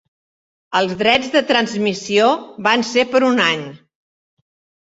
Els drets de transmissió van ser per un any.